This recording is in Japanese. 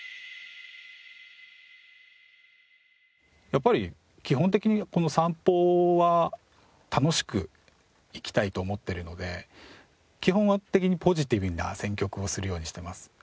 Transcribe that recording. やっぱり基本的にこの『散歩』は楽しくいきたいと思ってるので基本的にポジティブな選曲をするようにしています。